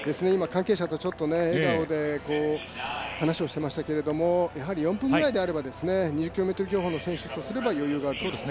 関係者と笑顔で話をしていましたけどやはり４分くらいであれば２０ｋｍ競歩の人とすれば余裕があると。